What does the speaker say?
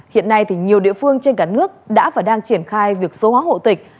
hiện nay nhiều địa phương trên cả nước đã và đang triển khai việc số hóa hộ tịch